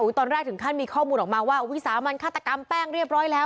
ตอนแรกถึงขั้นมีข้อมูลออกมาว่าวิสามันฆาตกรรมแป้งเรียบร้อยแล้ว